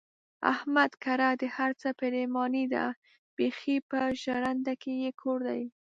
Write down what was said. احمد کره د هر څه پرېماني ده، بیخي په ژرنده کې یې کور دی.